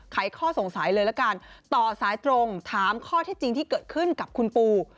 ข้อสงสัยเลยละกันต่อสายตรงถามข้อเท็จจริงที่เกิดขึ้นกับคุณปู